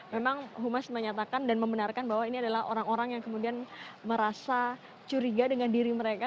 memang humas menyatakan dan membenarkan bahwa ini adalah orang orang yang kemudian merasa curiga dengan diri mereka